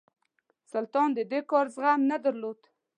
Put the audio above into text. سلطان د دې کار زغم نه درلود.